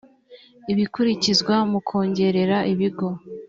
ibikurikizwa mu kongerera ibigo